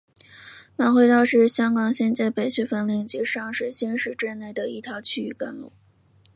马会道是香港新界北区粉岭及上水新市镇内的一条区域干路。